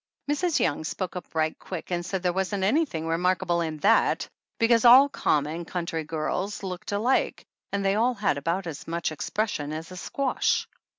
Mrs. Young spoke up right quick and said there wasn't anything remarkable in that, because all common, country girls looked alike and they all had about as much expression as a squash.